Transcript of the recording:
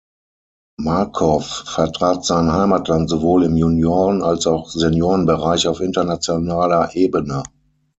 Markow vertrat sein Heimatland sowohl im Junioren- als auch Seniorenbereich auf internationaler Ebene.